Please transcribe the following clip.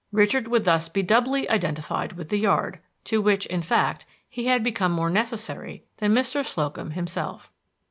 Richard would thus be doubly identified with the yard, to which, in fact, he had become more necessary than Mr. Slocum himself.